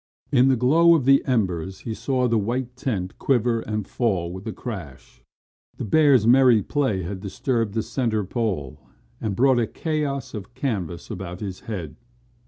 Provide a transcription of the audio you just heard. In the glow of the embers he saw the white tent quiver and fall with a crash. The bear's merry play had disturbed the centre pole and brought a chaos of canvas about his head.